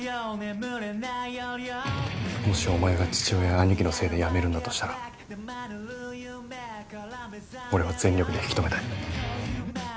もしお前が父親や兄貴のせいで辞めるんだとしたら俺は全力で引き留めたい。